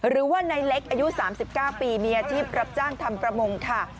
หรือว่าในเล็กอายุ๓๙ปีมีอาชีพรับจ้างทำประมงค่ะ